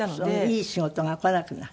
いい仕事が来なくなる。